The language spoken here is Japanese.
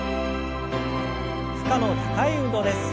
負荷の高い運動です。